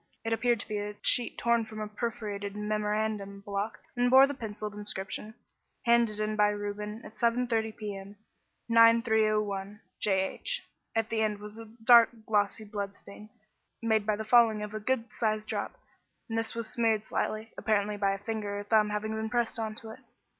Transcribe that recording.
It appeared to be a sheet torn from a perforated memorandum block, and bore the pencilled inscription: "Handed in by Reuben at 7.3 p.m., 9.3.01. J. H." At one end was a dark, glossy blood stain, made by the falling of a good sized drop, and this was smeared slightly, apparently by a finger or thumb having been pressed on it.